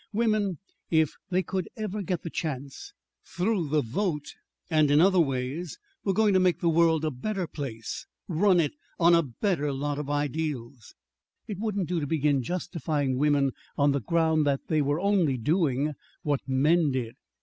Women, if they could ever get the chance (through the vote and in other ways), were going to make the world a better place run it on a better lot of ideals. It wouldn't do to begin justifying women on the ground that they were only doing what men did.